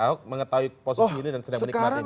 ahok mengetahui posisi ini dan sedang menikmati ini